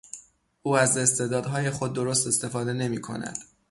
او از استعدادهای خود درست استفاده نمیکند.